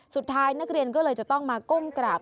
สุดท้ายนักเรียนก็เลยจะต้องมาก้มกราบ